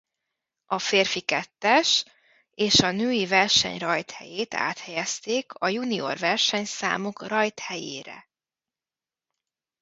A férfi kettes és a női verseny rajthelyét áthelyezték a junior versenyszámok rajthelyére.